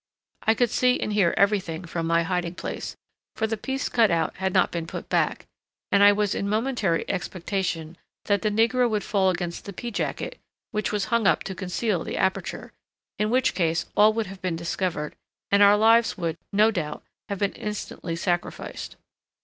I could see and hear every thing from my hiding place, for the piece cut out had not been put back, and I was in momentary expectation that the negro would fall against the pea jacket, which was hung up to conceal the aperture, in which case all would have been discovered, and our lives would, no doubt, have been instantly sacrificed.